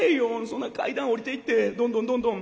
そんな階段下りていってどんどんどんどん。